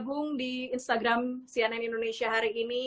jangan gabung di instagram cnn indonesia hari ini